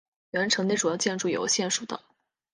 原城内主要建筑有县署等。